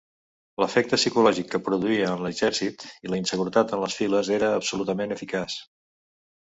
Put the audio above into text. L'efecte psicològic que produïa en l'exèrcit i la inseguretat en les files era absolutament eficaç.